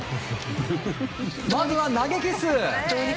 まずは投げキッス。